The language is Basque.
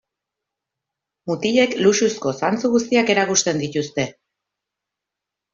Mutilek luxuzko zantzu guztiak erakusten dituzte.